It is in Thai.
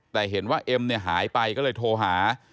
แต่เห็นว่าเอ็มเนี่ยหายไปก็เลยโทรหา